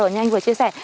như anh vừa chia sẻ